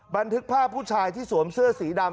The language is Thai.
บันทึกภาพผู้ชายที่สวมเสื้อสีดำ